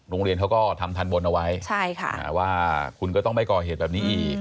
โรงเรียนเขาก็ทำทันบนเอาไว้ว่าคุณก็ต้องไม่ก่อเหตุแบบนี้อีก